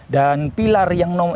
dan pilar yang menarik